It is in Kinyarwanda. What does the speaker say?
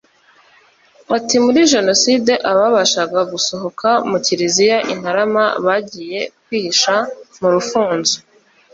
Ati”muri Jenoside ababashaga gusohoka mu kiliziya i Ntarama bagiye kwihisha mu rufunzo